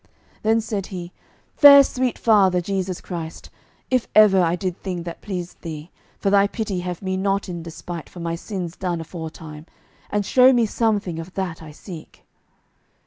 Then said he: "Fair sweet Father Jesu Christ, if ever I did thing that pleased Thee, for Thy pity have me not in despite for my sins done aforetime, and show me something of that I seek!"